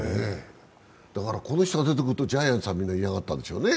この人が出てくるとジャイアンツはみんな嫌がったんですよね。